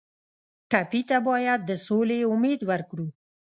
ټپي ته باید د سولې امید ورکړو.